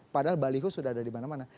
padahal baliho sudah ada di mana mana